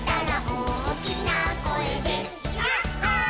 「おおきなこえでヤッホー」